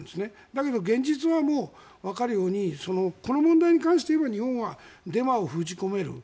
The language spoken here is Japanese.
だけど現実はわかるようにこの問題に関して言えば日本はデマを封じ込める。